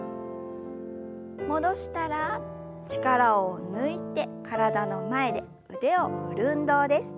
戻したら力を抜いて体の前で腕を振る運動です。